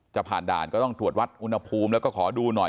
จะผ่านด่านก็ต้องตรวจวัดอุณหภูมิแล้วก็ขอดูหน่อย